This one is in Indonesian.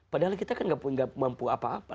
padahal kita kan gak punya mampu apa apa